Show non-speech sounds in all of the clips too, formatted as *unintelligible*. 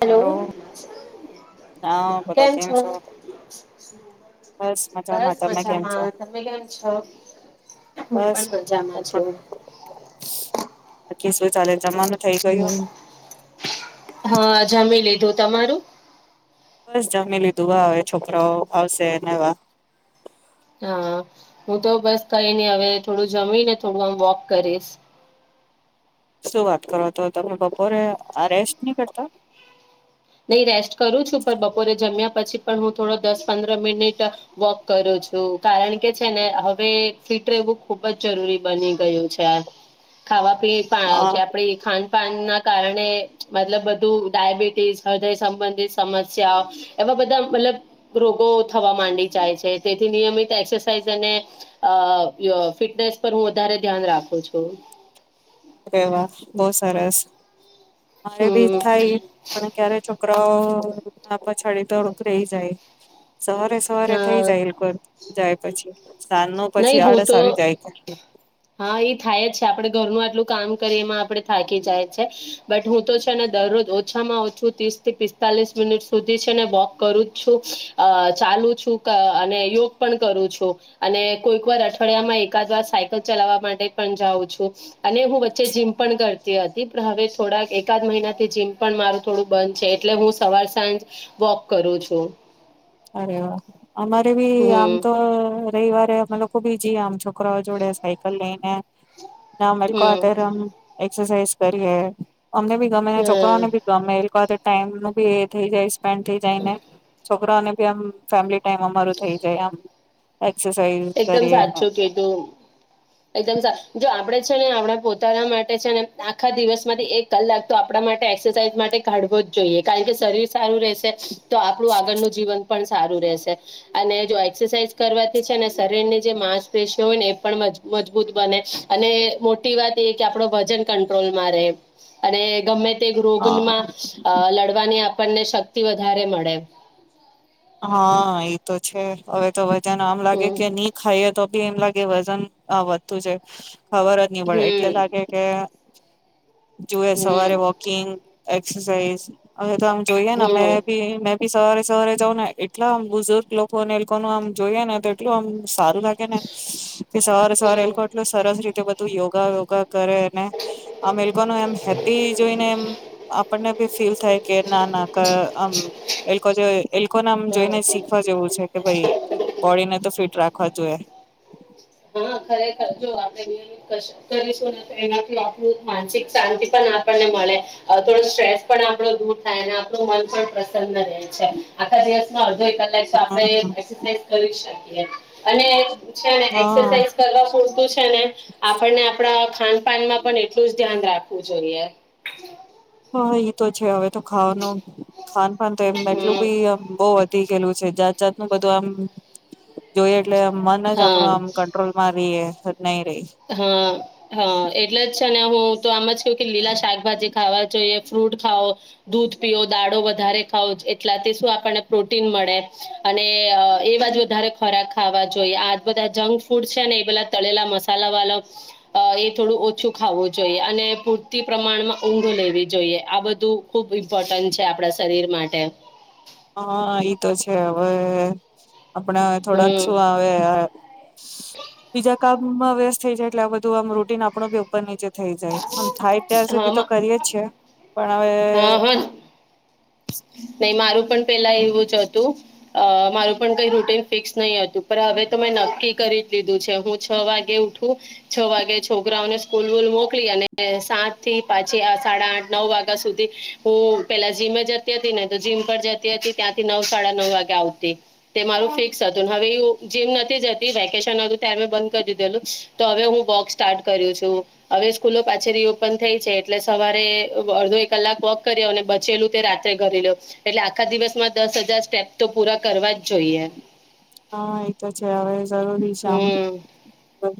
Hello તો કેમ છો બસ બસ મજામાં તમે કેમ છો મજામા તમે કેમ છો. હું બસ પણ મજામા હું છું. બીજું શું ચાલે. જમવાનું થઇ ગયું હા જમી લી ધુ તમારું. બસ જમી લીધુ આવે છોકરાઓ આવશે નેવા હા હું તો બસ કઈ નહી હવે થોડુ જમીને થોડું આમ વોક કરીશ. શું વાત કરો તો તમે બપોરે આ રેસ્ટ નહી કરતા. નહી રેસ્ટ કરું છુ પણ બપોરે જમ્યા પછી પણ હું થોડો દસ પંદર મિનિટ વોક કરું છુ કારણ કે છે ને હવે ફિટ રહેવુ ખુબ જ જરૂરી બની ગયુ છે ખાવા પી પા હા જે આપણે ખાનપાન ના કારણે મતલબ બધુ ડાયાબિટીસ હૃદય સંબંધિત સમસ્યા એવા બધા મતલબ રોગો થવા માંડી જાય છે તેથી નિયમિત એક્સરસાઇઝ અને અ ફિટનેસ પર હું વધારે ધ્યાન રાખુ છું. અરે વાહ બહુ સરસ. મારે બી હમ થાય પણ ક્યારે છો છોકરાઓ ના પછાડી થોડુક રહી જાય. સવારે હ સવારે થઇ જાય જાય પછી સાંજ નું નહી પછી હું આળસ તો આવી જાય કે હા થાય જ છે આપડે ઘરનુ આટલુ કામ કરી એમા આપડે થાકી જાય છે બટ હું તો છેને દરરોજ ઓછામાં ઓછું ત્રીસ થી પિસ્તાલીસ મિનિટ સુધી છે ને વોક કરું છું આ ચાલુ છું આ અને યોગ પણ કરું છું અને કોઈક વાર અઠવાડિયામા એકાદ વાર સાયકલ ચલાવવા માટે પણ જાઉં છુ અને હું વચ્ચે જીમ પણ કરતી હતી પણ હવે થોડા એકાદ મહિના થી જીમ પણ મારું થોડુ બંધ છે એટલે હું સવાર સાંજ વોક કરું છું. અરે વા અમારે ભી આમ હમ તો રવિવારે અમે લોકો બી જીએ આમ છોકરાઓ જોડે સાયકલ લઈને ના હમ *unintelligible* એક્સરસાઈઝ કરીએ. અમને બી ગમે અને હ છોકરાઓને બી ગમે એ લોકો હાથે ટાઈમ નુ બી એ થઈ જાય છે. પેન્ટ થી જાયને. છોકરા ઓને *unintelligible* ફેમિલી ટાઈમ અમાર થઈ જાય આમ એ એકદમ સાચુ કિધુ એકદમ સા જો આપણેે છે ને આપણા પોતાના માટે છે ને આખા દિવસ માંથી એક કલાક તો આપણા માટે એક્સરસાઇઝ માટે કાઢવો જ જોઈએ કારણ કે શરીર સારું રહેશે તો આપણું આગળનું જીવન પણ સારું રહેશે અને જો એક્સરસાઇઝ કરવાથી છે ને શરીરની જે માંસપેશી હોય ને એ પણ મજબૂત બને અને મોટી વાત એ કે આપણો વજન કંટ્રોલમાં રહે અને ગમે પતે રોગન હા માં આ લડવાની આપ આપણને શક્તિ વધારે મળે હા એ તો છે હવે તો ત્યા નામ લાગે હમ કે અની ખાઈ તો બી એમ લાગે વજન વધતું છે ખબર જ નહી પડે હમ એટલે લાગે કે *inaudible* જુએ સવારે હમ વોકિંગ એક્સસૈઝ હવે તો આમ જોઈએ ને અમે હમ બી પ સવારે સવારે જાવ ને એટલા બુઝુર્ગ લોકો ને એ લોકો ન આમ જોઈએ ને તો એટલું આમ સારું લાગે ને કે સવારે સવારે એ હમ એટલ સરસ રીતે તું યોગા વયોગા કરે ને અમે એમ હેપ્પી જોઈને એમ આપણને ફીલ થાય કે ના નામ એ લોકો ને આમ હમ જોઈને શીખવા જેવું છે કે ભાઈ બોડી ને તો ફિટ રાખવા જોઈએ હા ખરેખર જો આપણેયમ કરીશુંને તો એનાથી આપણું માનસિક શાંતિ પણ આપણને મળે થોડો સ્ટ્રેસ પણ આપણો દૂર થાય અને આપણું મન પણ પ્રસન્ન રહે આખા દિવસમાં અડધો કલાક આપણે કરી એ અને હ હ છે એસાઝ કરવા પૂરતું છે ને આપણને આપણા ખાન પાાનમાં પણ એટલું જ ધ્યાન રાખવું જોઈએ હ તો છે હવે તો ખાવાનું ખાન પાાન તો એમ એટલું હમ બી બહ ગયલું છે જાત જાતનુંું બધું આમ જોઈએ એટલે મન જ આપડું હા આમ કંટ્રોલ માં રહીએ નહી રહી હા હા એટલે જ ને હું તો આમ જ ક કે લીલા શાકભાજી ખાવા જોઈએ ફ્રૂટ ખાઓ દૂધ પીઓ દાડો વધારે ખાઓ એટલા શું આપણને પ્રોટીન મળે અને એવા જ વધારે ખોરાક ખાવા જોઈએ આ બધા જંક ફૂડ છે ને એ બધા તળેલા મસા મસાલા વાલા એ થોડું ઓછું ખાવવું જોઈએ અને પૂરતી પ્રમાણમાં ઊંઘ લેવી જોઈએ આ બધું ખૂબ ઇમ્પોર્ટન્ટ છે આપણા શરીર માટે હા ઈ તો છે હવે આપણા થોડાક હમ શું આવે બીજા કામમાં વ્યત થઇ જાય એટલે આ બધું આમ રૂટીન આપણો ભી ઉપર નીચે થઈ જાયમ થાય અ ત્યાર હા સુધી તો માં- કરીએ જી પણ હવે નહી મારું પણ પેલા એવું જ હતું અ મારું પણ કઈ રૂટીન ફિક્સ નહી હતું પણ હવે તો મેં નક્કી કરી લીધું છે હું છ વાગે ઉઠું છ વાગે છોકરાઓને સ્કૂલ વૂલ મોકલી અને સાત થી પાછી સાડા આઠ નવ વાગ્યા સુધી હું પેલા જીમે જ જીમ પર જતી હતી ત્યાંથી નવ સાડા નવ વાગે આવતી તે મારું ફિક્સ હતુંને હવે એું જીમ નથી જતી વેકેશન હતું ત્યારે મેં બંધ કરી દીધેલું તો હવે હું વોક સ્ટાર્ટ કરું છું હવે સ્કૂલો પાછી રી ઓપન થઈ છે એટલે સવારે અડધો એક કલાક વોક કર્યો બચેલું તે રા ઘરે લો એટલે આખા દિવસમાં દસ હજાર સ્ટેપ તો પૂરા કરવા જ જોઈએ હા એતો છે હવે જરૂરી શ હમ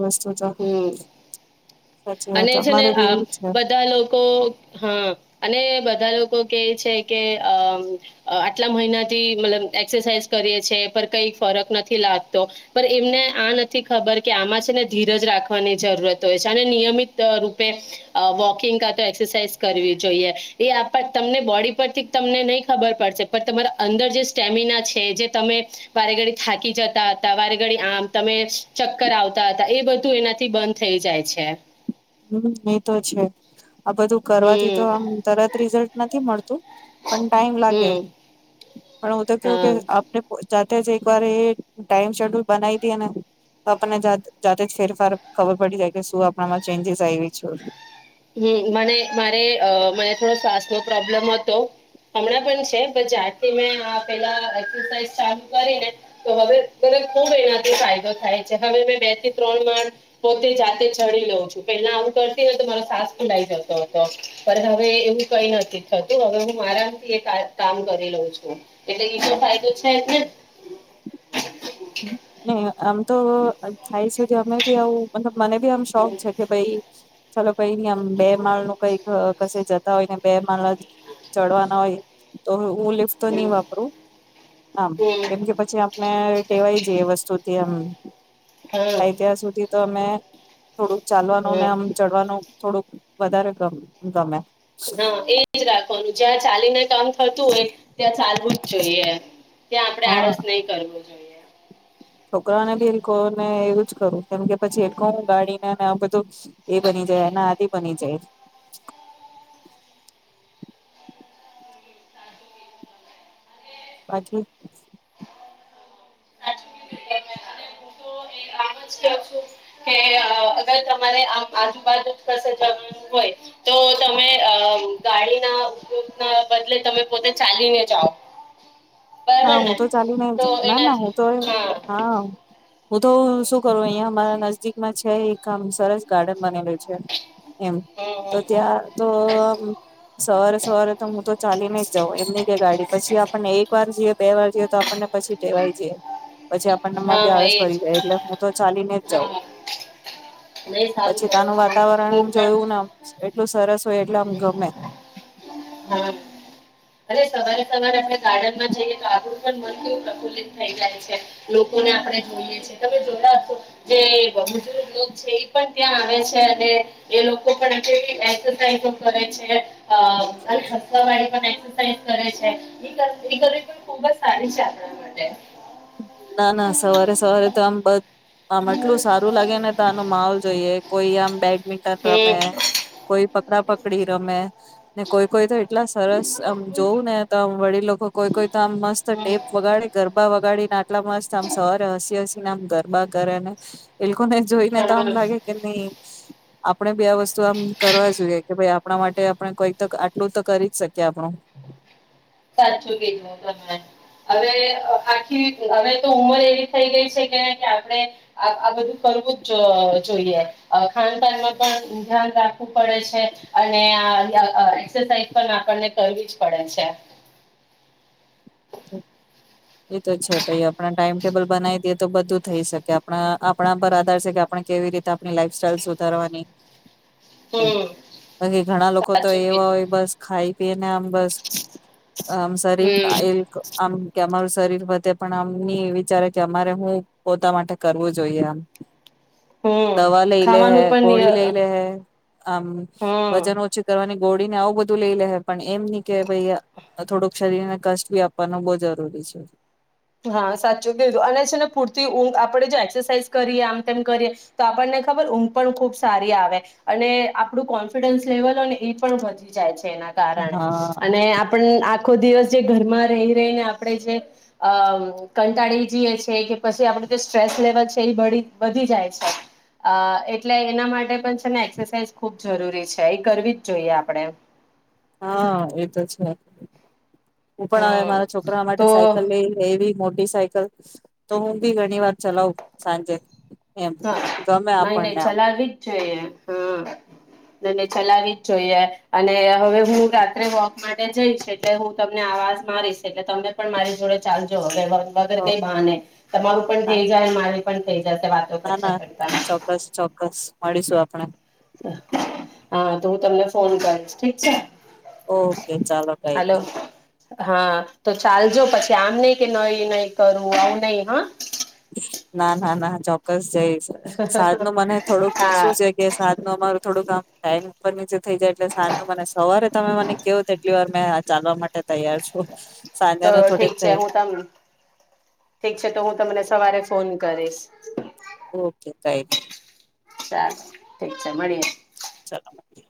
વસ્ત હજ હમ અને છે ને આ બધા લોકો હા અને બધા લોકો કે છે કે અ આટલા મહિના થી મતલબ એક્સરસાઝ કરીે છે પર કઈ ફરક નથી લાગતો પણ એમને આ નથી ખબર કે આમાં છે ને ધીરજ રાખવાની જરૂરત હોય છે અને નિયમિત રૂપે વોકિંગ ક તો એક્સરસાઇઝ કરવી જોઈએ એ તમને બોડી પરથી તમને નહી ખબર પડશે પણ તમારા અંદર જે સ્ટેમિના છે જે તમે વારે ઘડી થાકી જતા હતા વારે ઘડી આમ તમે ચક્કર આવતા હતા એ બધું એનાથી બંધ થઈ જાય છે હમ એ તો છે આ બધું કરવાથી તો હમ આમ તરત રિઝલ્ટ નથી મળતું પણ ટાઈમ લાગે હમ પણ હું તો કેવું હા કે આપને જાતે જ એક વાર એ ટાઈમ શેડ્યુલ બનાવી દ ને આપણને જાતે જ ફેરફાર ખબર પડી જાય કે શું આપણામાં ચેંજસ આવી વ છેું હ મને મારે મને થોડો શ્વાસ નો પ્રોબ્લેમ હતો હમણાં પણ છે જથી મેં પેલારઝ ચાલુ કરીને તો હવે ખુબ એનાથી ફાયદો થાય છે હવે મે બે થી ત્રણ માળ પોતે જાતે ચડી લઉં છું પેલા આવું કરતી તો મા સાસ ખુલાઈ જતો હતો પણ હવે એવું કઈ નથી થતું હવે હું મારામથી કામ કરલોઉ છું એટલે એ શ ફાયદો છે એ હ આમ તો ખાયશધ અમે બી આવ મતબ મને બી આમ શોખ હમ છે કે ભાઈ ચાલો કઈ ન આમ બે માળ નું કંઈક કશે જ હોય ને બે માલા ચોડવા ના હોય તો ું લિફ તો હમ નહી વાપરું આમ હમ કેમકે પછી આપણે ટેવાય તૃતીમ હા અ ત્યાર સુધી તો મે થોડુંક ચાલવાનું ને હા આમ ચડવાનું થોડુંક વધારે ગમે હા એજ રાખ આપવાનું જ્યાં ચાલીને કામ થતું હોય ત્યાં ચાલવું જ જોઈએ ત્યાં આપડણે આળસ નહી કરવો જોઈએ છોકરાને ભી *unintelligible* ને એવું જ કરું કેમ કે પછી *unintelligible* બાકી અને હું તો એ આમ જ કવ છું કે અગર તમારે આ આજુબાજુ *unintelligible* હોય તો તમે ગાડીના ના બદલે તમે પોતે ચાલીને જાઓ ના હું તો ચાલી ને તો ના ના એનાથી હું તો હા હું તો શું કરું અહિયા અમારા નજીદીકમાં છે એક આમ સરસ ગાર્ડન બનેલું છે એમ હમ તો હમ ત્યાં તો સવારે સવારે તો હું તો ચાલી ને જાઉં એમની કે ગાડી પછી પણ એક એક વાર જઈએ બે વાર જઈએ તો આપણને પછી ટેવાય જઈએ પછી આપણનમાં ભી હા ળાસ ભરી એજ જાય એટલે હું તો ચાલીને જ જાઉં હા નહી સારું પછી કરો તાનું છો વાતાવરણ હું જોયું પણ ને એટલુ સરસ હોય એટલે આમ ગમે હા અરે સવારે સવારે *inaudible* ગાર્ડન માં જઈએ તો આપણુ મન કેવું પ્રફુલ્લિત થઈ જાય છે લોકોને આપણે જોઈએ તમે જોયા છો જે *unintelligible* છે એ પણ ત્યાં આવે છે અને એ લોકો પણ *inaudible* કઈ તો કરે છે આ *unintelligible* *unintelligible* કરે છે એ કરવી પણ ખુબ જ સારી છે આપણા માટે ના ના સવારે સવારે તો આમ બ આમ આટલું સારું લાગે ને તાનો માહોલ જોઈએ કોઈ *unintelligible* મિટન હમ રમેૈ કોઈ પકડાપ ડી રમે ને કોઈ કોઈ તો એટલા સરસ આમ જોવું ને તો વડીલો કોઈ કોઈ તો આમ મસ્ત હમ ટેપ વગાડે ગરબા વગાડે આટલા મસ્ત આમ સવારે હસી હસીને આમ ગરબા કરે ને એ લોકોને જોઈને તો આમ હમ લાગે કે નહી આપણેે ભી આ વસ્તુ આમ કરવા જોઈએ કે ભાઈ આપણા માટે આપણે કોઈ આટલું તો કરી જ શકીએ આપણું સાચુ કીધુ તમે હવે આખી હવે તો ઉમર એવી થઈ ગઈ છે કે આપણે આ બધું કરવું જોઈએ *unintelligible* ધ્યાન રાખવું પડે છે *unintelligible* કરવી જ પડે છે હમ એ તો છે ભાઈ આપણા ટાઈમ ટેબલ બનાવી દેએ તો બધું થઈ શકે આપણા આપણા પર આધાર છે કે આપણે કેવી રીતે આપણી લાઈફ સ્ટાઈલ સુધારવાની એમ હમ બાકી ઘણા લોકો તો સાચું એવા કીધું હોય બસ ખાઈ પીને આમ બસ આમ શરીર હમ એ આમ કે અમારું શરીર વધે પન અમની વિચારે કે અમારે હું પોતા માટે કરવું જોઈએ આમ હમ દવા લઈ લે હે ખાવાનું પણ નિય ગોળી લઈ લે હે આમ હમ વજન ઓછી કરવાની ગોળીને આવું બધું લઈ લે હે પણ એમ ની કે ભાઈ થોડુંક શરીરને કષ્ટ ભી આપવાનું બો જરૂરી છે હા સાચું કીધું અને છે ને પૂરતી ઊંઘ આપડે જો એક્સરસાાઈઝ કરીએ આમ તેમ કરીએ તો આપણને ખબર ઊંઘ પણ ખુબ સારી આવે અને આપડું કોન્ફિડન્સ લેવલ હોય ને એ પણ વધી જાય છે એના કારણે હા અને આપ આ આખો દિવસ જે ઘરમા રહી રહી ને આપણે જે અમ કંટાળી જઈએ છે કે પછી આપણે જે સ્ટ્રેસ લેવલ છે એ વધી જાય છે અ એટલે એના માટે પણ છે ને એક્સરસાઇઝ ખૂબ જરૂરી છે એ કરવી જ જોઈએ આપણે હા એ તો છે હું પણ આવે હમ મારા છોકરા માટે તો સાયકલ લઈ એવી મોટી સાયકલ તો હું બી ઘણી વાર ચલાવ સાંજે એમ હા ગમે નહી નઈ આપણને આમ ચલાવી જ જોઈએ હા અને ચલાવી જ જોઈએ અને હવે હું રાત્રે વોક માટે જઈશ એટલે હું તમને આવાજ મારીશ એટલે તમે પણ મારી જોડે ચાલજો હવે વગર કઈ બહાને તમારું પણ થઈ જાય મારી પણ થઈ જાયશે વાતો ના કરતા ના કરતા ચોક્કસ ચોક્કસ મળીશું આપણે હા તો હું તમને ફોન કરીશ ઠીક છે ઓકે ચાલો કઈ હાલો ન હા તો ચાલજો પછી આમ નહી કે નઈ નહી કરવુ આવુ નહી હા ના ના ના ચો ક્કસ જઈશ સાજ નુ મને થોડુક શું હા છે કે સાજ નુ અમાર થોડુક કામ ટાઈમ ઉપર થઈ જાય એટલે સાંજનુ ને સવારે તમે મને કયો તેટલી વાર ચાલવા માટે તૈયાર છું તો સાંજના ઠીક છે થોડી હું તમ ઠીક છે તો હું તમને સવારે ફોન કરીશ ઓકે કઈબી ચાલ ઠીક છે મળીએ ચલો મૂકીએ